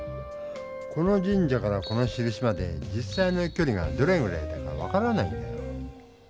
この神社からこのしるしまで実さいのきょりがどれぐらいだか分からないんだよ。